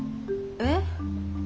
えっ？